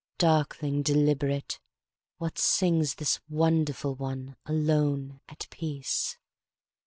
Darkling, deliberate, what singsThis wonderful one, alone, at peace?